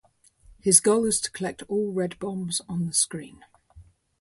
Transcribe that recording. His goal is to collect all red bombs on the screen.